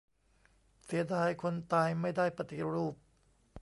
"เสียดายคนตายไม่ได้ปฏิรูป"